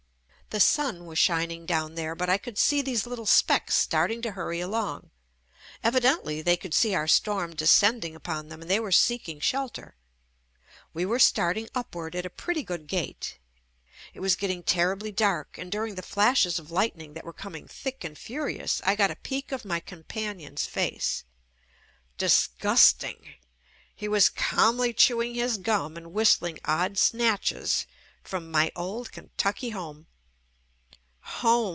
The sun was shining down there, but I could see these little specks starting to hurry along. Evident ly they could see our storm descending upon them and they were seeking shelter. We were starting upward at a pretty good gait. It was getting terribly dark, and during the flashes of lightning that were coming thick and furious, I got a peek of my companion's face. Disgust ing! He was calmly chewing his gum and whistling odd snatches from "My Old Ken tucky Home.' 9 Home!